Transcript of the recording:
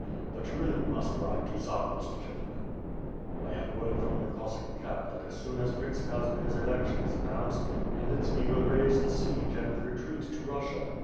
But you really must ride to Zamost gentlemen; I have word from the Cossack camp that as soon as Prince Casimir^s election is announced, Khmyelnitski will raise the siege and retreat to Bussia.